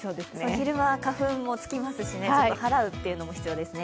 昼間、花粉もつきますし、払うことも必要ですね。